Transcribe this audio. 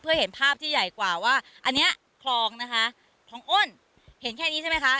เพื่อเห็นภาพที่ใหญ่กว่าว่าอันนี้คลองนะคะคลองอ้นเห็นแค่นี้ใช่ไหมคะ